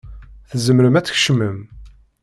Tzemrem ad tkecmem.